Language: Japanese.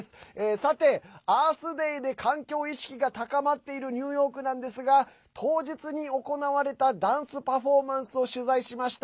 さて、アースデイで環境意識が高まっているニューヨークですが当日に行われたダンスパフォーマンスを取材しました。